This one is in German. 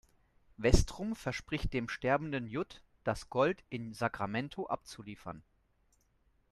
Westrum verspricht dem sterbenden Judd, das Gold in Sacramento abzuliefern.